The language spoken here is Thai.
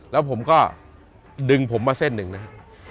แล้วผมก็ดึงผมมาเส้นหนึ่งนะฮะ